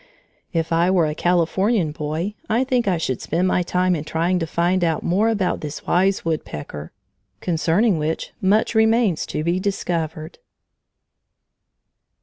If I were a Californian boy, I think I should spend my time in trying to find out more about this wise woodpecker, concerning which much remains to be discovered.